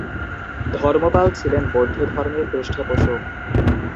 ধর্মপাল ছিলেন বৌদ্ধধর্মের পৃষ্ঠপোষক।